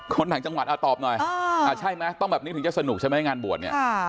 คนหลังจังหวัดตอบหน่อยต้องแบบนี้ถึงจะสนุกใช่ไหมงานบวช